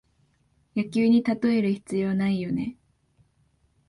野球にたとえる必要ないよね